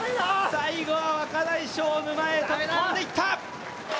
最後は若大将、沼へ飛び込んでいった。